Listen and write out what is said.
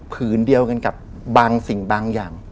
ผืนเดียวกันกับบางสิ่งบางอย่าง